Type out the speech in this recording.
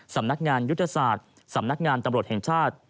สำนักงานยุทธศาสตร์สำนักงานตำรวจแห่งชาติ